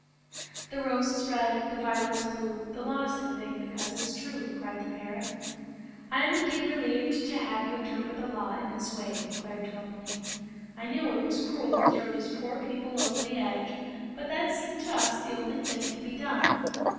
"The rose is red, the violet's blue, The law's the thing, because it's true!" cried the parrot. "I am indeed relieved to have you interpret the Law in this way," declared Tourmaline. "I knew it was cruel to throw these poor people over the edge, but that seemed to us the only thing to be done."